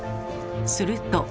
すると。